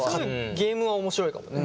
ゲームは面白いかもね。